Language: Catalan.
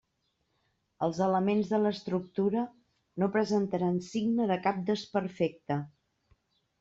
Els elements de l'estructura no presentaran signe de cap desperfecte.